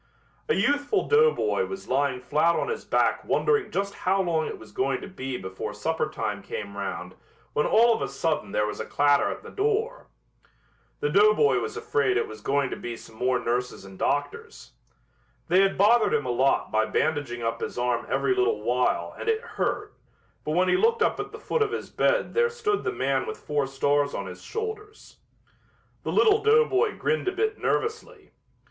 A youthful doughboy was lying flat on his back wondering just how long it was going to be before supper time came round when all of a sudden there was a clatter at the door. The doughboy was afraid it was going to be some more nurses and doctors. They had bothered him a lot by bandaging up his arm every little while and it hurt, but when he looked up at the foot of his bed there stood the man with four stars on his shoulders. The little doughboy grinned a bit nervously.